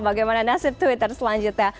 bagaimana nasib twitter selanjutnya